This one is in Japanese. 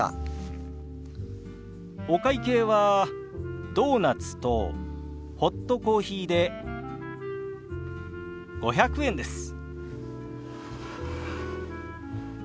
お会計はドーナツとホットコーヒーで５００円です。